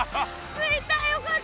ついたよかった。